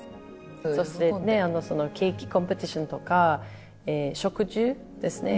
そしてケーキコンペティションとか植樹ですね